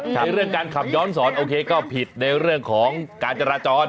ในเรื่องการขับย้อนสอนโอเคก็ผิดในเรื่องของการจราจร